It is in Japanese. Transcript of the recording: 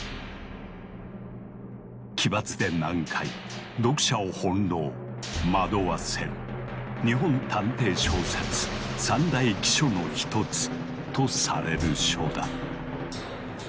奇抜で難解読者を翻弄惑わせる「日本探偵小説三大奇書の一つ」とされる書だ。